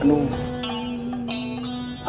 ah terus ini yaa